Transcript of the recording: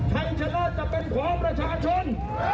เป็นของประชาชน